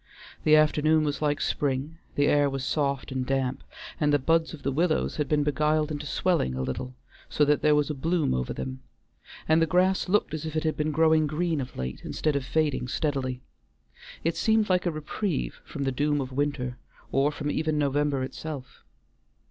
The afternoon was like spring, the air was soft and damp, and the buds of the willows had been beguiled into swelling a little, so that there was a bloom over them, and the grass looked as if it had been growing green of late instead of fading steadily. It seemed like a reprieve from the doom of winter, or from even November itself.